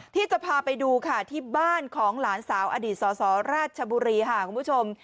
ที่จะพาไปดูค่ะที่บ้านของหลานสาวอดีตสสราชบุรีค่ะคุณผู้ชม